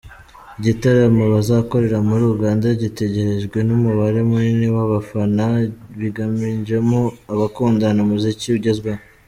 Igitaramo bazakorera muri Uganda gitegerejwe n’umubare munini w’abafana biganjemo abakunda umuziki ugezweho.